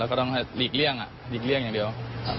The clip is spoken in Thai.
แล้วก็ต้องให้หลีกเลี่ยงหลีกเลี่ยงอย่างเดียว